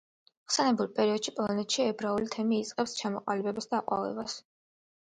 ხსენებულ პერიოდში პოლონეთში ებრაული თემი იწყებს ჩამოყალიბებას და აყვავებას.